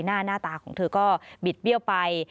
หน้าหน้าตาของเธอก็บิดเบี้ยวไป